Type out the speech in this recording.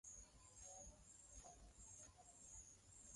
Lokoteni buchafu mu bala bala shiku ya salongo